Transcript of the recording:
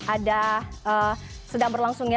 ada sedang berlangsungnya